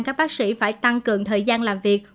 các bác sĩ phải tăng cường thời gian làm việc